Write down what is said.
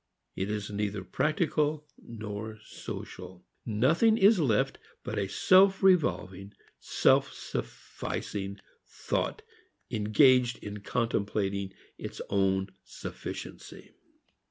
It is neither practical nor social. Nothing is left but a self revolving, self sufficing thought engaged in contemplating its own sufficiency.